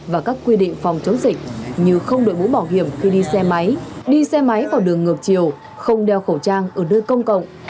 và các quy định phòng chống dịch như không đội bũ bảo hiểm khi đi xe máy đi xe máy vào đường ngược chiều không đeo khẩu trang ở nơi công cộng